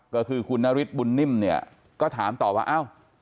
ก็คือคุณนฤทธิบุญนิ่มเนี่ยก็ถามต่อว่าเอ้า